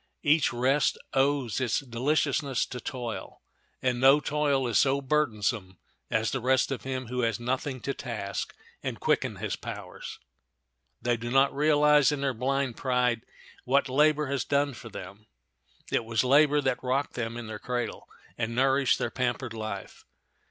Each rest owes its deliciousness to toil, and no toil is so burdensome as the rest of him who has nothing to task and quicken his powers. They do not realize, in their blind pride, what labor has done for them. It was labor that rocked them in their cradle and nourished their pampered life.